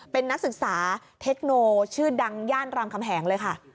เป็นนักศึกษาเทคโนชื่อดังย่านรามคำแหงเลยค่ะ